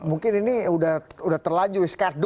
mungkin ini udah terlanjur